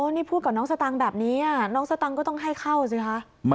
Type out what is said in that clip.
นี่พูดกับน้องสตางค์แบบนี้น้องสตังค์ก็ต้องให้เข้าสิคะ